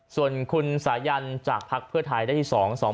ส่วนคุณสายันจากภักดิ์เพื่อไทยได้ที่๒๒